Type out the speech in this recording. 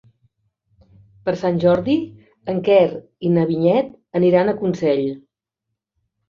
Per Sant Jordi en Quer i na Vinyet aniran a Consell.